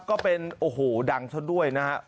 ก็เป็นโอ้โหดังซะด้วยนะฮะ